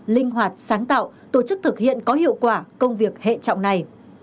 linh hoạt sáng tạo tổ chức thực hiện có hiệu quả công việc hệ trọng này